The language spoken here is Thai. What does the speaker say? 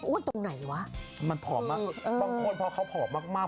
อ้วนตรงไหนวะมันผอมมากเออคือบางคนเพราะเขาผอมมาก